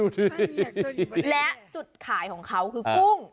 นี่คือเทคนิคการขาย